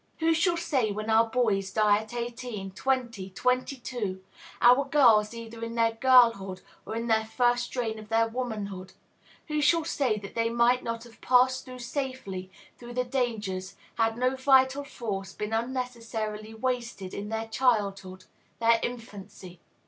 Who shall say when our boys die at eighteen, twenty, twenty two, our girls either in their girlhood or in the first strain of their womanhood, who shall say that they might not have passed safely through the dangers, had no vital force been unnecessarily wasted in their childhood, their infancy?